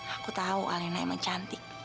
aku tahu alena emang cantik